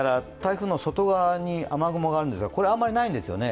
本来なら、台風の外側に雨雲があるんですが、これ、あまりないんですね。